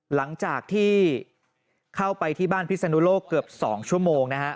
หลังจากที่เข้าไปที่บ้านพิศนุโลกเกือบ๒ชั่วโมงนะฮะ